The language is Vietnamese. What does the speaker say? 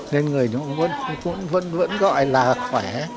nên người nó cũng vẫn gọi là khỏe